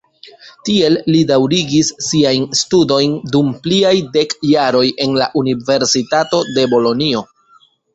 Tie li daŭrigis siajn studojn dum pliaj dek jaroj en la Universitato de Bolonjo.